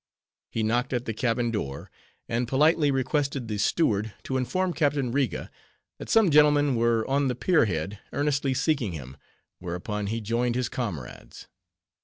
He knocked at the cabin door, and politely requested the steward to inform Captain Riga, that some gentlemen were on the pier head, earnestly seeking him; whereupon he joined his comrades.